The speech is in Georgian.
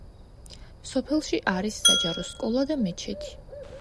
სოფელში არის საჯარო სკოლა და მეჩეთი.